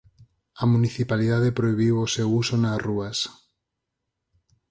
A municipalidade prohibiu o seu uso nas rúas.